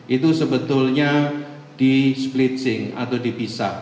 itu sebetulnya di split sink atau di pisah